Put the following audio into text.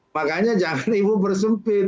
makanya jangan ibu bersempit